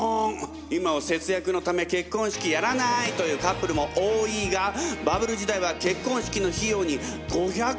今は節約のため結婚式やらないというカップルも多いがバブル時代は結婚式の費用に５００万以上が当たり前！